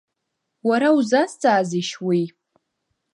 Уара узазҵаазишь уи?